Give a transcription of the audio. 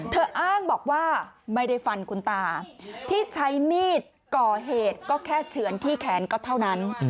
อ้างบอกว่าไม่ได้ฟันคุณตาที่ใช้มีดก่อเหตุก็แค่เฉือนที่แขนก็เท่านั้น